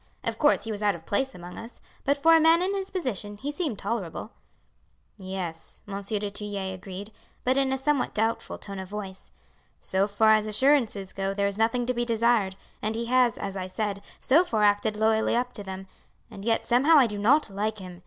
Of course he was out of place among us, but for a man in his position he seemed tolerable." "Yes," Monsieur du Tillet agreed, but in a somewhat doubtful tone of voice. "So far as assurances go there is nothing to be desired, and he has, as I said, so far acted loyally up to them, and yet somehow I do not like him.